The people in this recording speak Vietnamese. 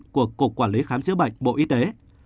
của cục quản lý khám chữa bệnh bộ y tế